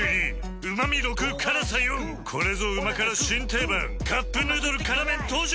４これぞ旨辛新定番「カップヌードル辛麺」登場！